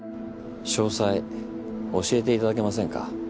詳細教えていただけませんか？